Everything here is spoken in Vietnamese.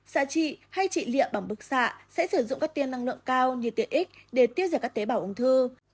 xạ trị hay trị liệm bằng bức xạ sẽ sử dụng các tiên năng lượng cao như tx để tiêu diệt các tế bào ung thư